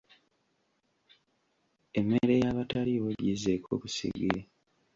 Emmere y'abataliiwo gizzeeko ku ssigiri.